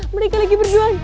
mereka lagi berdoaan